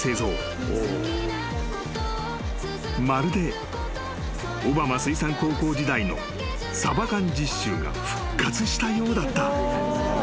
［まるで小浜水産高校時代のサバ缶実習が復活したようだった］